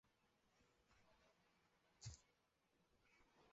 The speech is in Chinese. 博克龙是巴拿马奇里基省博克龙区的一个市。